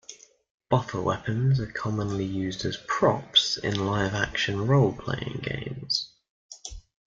Boffer weapons are commonly used as props in live action role-playing games.